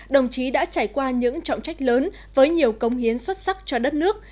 đồng chí đã trải qua những trọng trách lớn với nhiều cống hiến xuất sắc cho đất nước